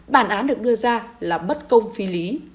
bản án được đưa ra là bất công phi lý